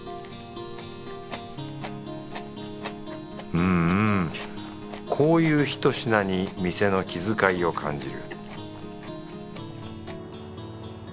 うんうんこういうひと品に店の気遣いを感じる